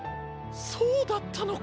そうだったのか。